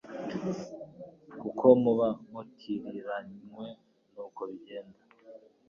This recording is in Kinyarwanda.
kuko muba mutiriranywe nuko bigenda.